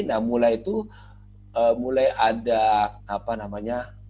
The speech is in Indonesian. nah mulai itu mulai ada apa namanya